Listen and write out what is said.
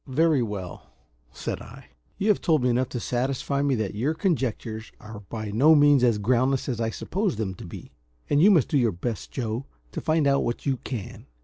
"Very well," said I. "You have told me enough to satisfy me that your conjectures are by no means as groundless as I supposed them to be, and you must do your best, Joe, to find out what you can.